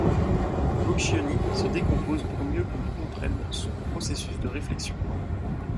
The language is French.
Boccioni se décompose pour mieux qu’on comprenne son processus de réflexion.